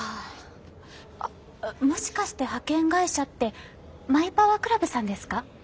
あっもしかして派遣会社ってマイパワークラブさんですか？